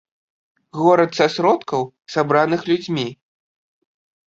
Горад са сродкаў, сабраных людзьмі.